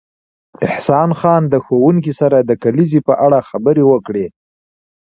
احسان خان د ښوونکي سره د کلیزې په اړه خبرې وکړې